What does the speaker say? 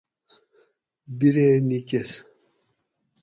بیری نِیکیس